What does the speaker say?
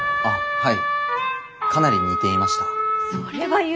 はい。